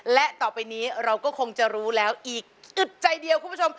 และต่อไปนี้เราก็คงจะรู้แล้วอีกอึดใจเดียวคุณผู้ชม